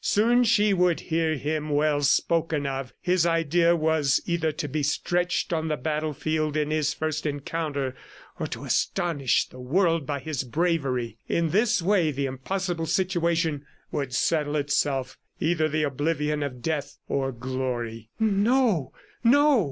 Soon she would hear him well spoken of. His idea was either to be stretched on the battlefield in his first encounter, or to astound the world by his bravery. In this way the impossible situation would settle itself either the oblivion of death or glory. "No, no!"